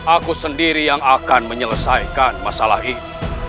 aku sendiri yang akan menyelesaikan masalah ini